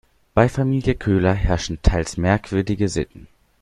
Bei Familie Köhler herrschen teils merkwürdige Sitten.